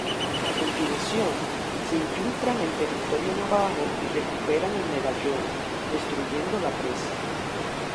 A continuación, se infiltran en territorio navajo y recuperan el medallón, destruyendo la presa.